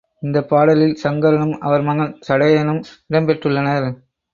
இந்தப் பாடலில் சங்கரனும் அவர் மகன் சடையனும் இடம் பெற்றுள்ளனர்.